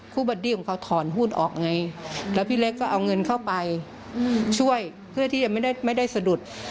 บัดดี้ของเขาถอนหุ้นออกไงแล้วพี่เล็กก็เอาเงินเข้าไปช่วยเพื่อที่จะไม่ได้สะดุด